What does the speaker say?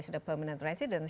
sudah permanent residence